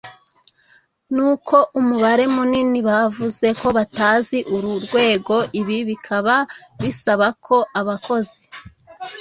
N uko umubare munini bavuze ko batazi uru rwego ibi bikaba bisaba ko abakozi